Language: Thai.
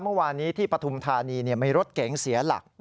เมื่อวานนี้ที่ปฐุมธานีมีรถเก๋งเสียหลัก